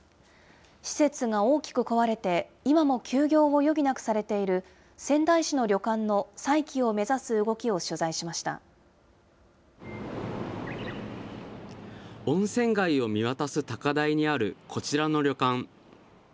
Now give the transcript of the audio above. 施設が大きく壊れて今も休業を余儀なくされている仙台市の旅館の温泉街を見渡す高台にあるこちらの旅館。